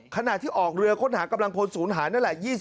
ขณะที่ออกเรือค้นหากำลังพลศูนย์หายนั่นแหละ